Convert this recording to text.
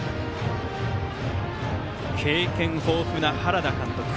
経験豊富な原田監督。